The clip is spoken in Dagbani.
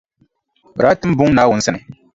Bɛ daa tim buŋa Naawuni sani.